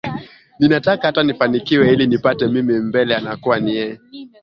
ninataka hata nifanikiwe ili nipate mimi mbele anakua ni yeye